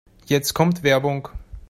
Jetzt kommt Werbung.